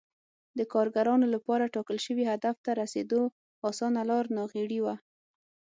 د کارګرانو لپاره ټاکل شوي هدف ته رسېدو اسانه لار ناغېړي وه